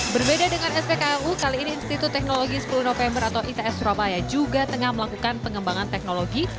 berbeda dengan spklu kali ini institut teknologi sepuluh november atau its surabaya juga tengah melakukan pengembangan teknologi